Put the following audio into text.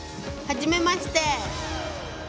はじめまして。